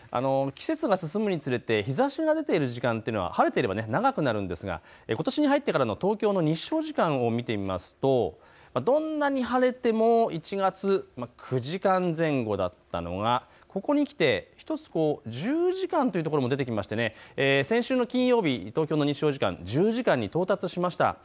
季節が進むにつれて日ざしが出ている時間が晴れていれば長くなるんですがことしに入ってからの東京の日照時間を見てみますとどんなに晴れても１月、９時間前後だったのがここにきて１つ１０時間というところも出てきまして先週の金曜日、東京の日照時間、１０時間に到達しました。